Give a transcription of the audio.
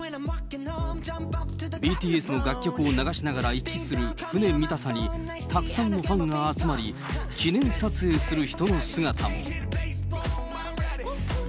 ＢＴＳの楽曲を流しながら行き来する船見たさに、たくさんのファンが集まり、記念撮影する人の姿も。